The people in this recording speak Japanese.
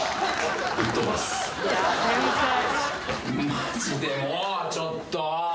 マジでもうちょっと。